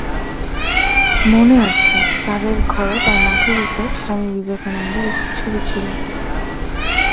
মনে আছে, স্যারের ঘরে তাঁর মাথার ওপর স্বামী বিবেকানন্দের একটা ছবি ছিল।